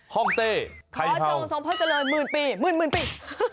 ฮ่องเต้ไทยเท่าขอจงทรงพระเจริญหมื่นปีหมื่นปี